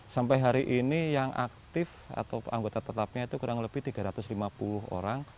sampai hari ini yang aktif atau anggota tetapnya itu kurang lebih tiga ratus lima puluh orang